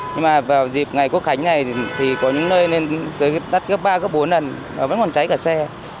nhưng vào dịp ngày quốc khánh này thì có những nơi đắt gấp ba gấp bốn lần vẫn còn cháy cả xe